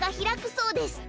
そうです。